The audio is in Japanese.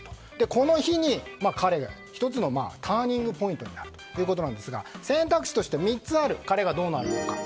この日に彼の１つのターニングポイントになるということですが選択肢として３つある彼がどうなるのか。